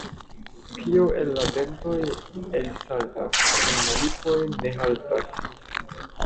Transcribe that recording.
Kio el la dentoj elsaltas, en la lipoj ne haltas.